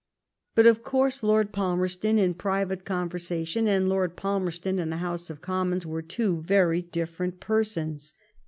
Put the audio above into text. But, of course. Lord Palmerston in private conversation and Lord Palmerston in the House of Commons were two very different persons.